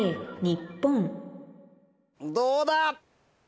どうだ？